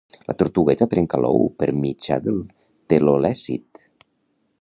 La tortugueta trenca l'ou per mitjà del telolècit